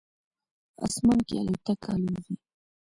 په اسمان کې الوتکه الوزي